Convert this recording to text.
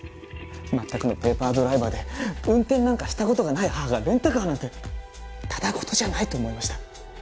全くのペーパードライバーで運転なんかした事がない母がレンタカーなんてただ事じゃないと思いました。